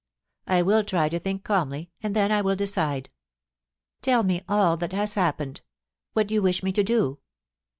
I will try to think calmly, and then I will decide. Tell me all that has happened — what you wish me to do.'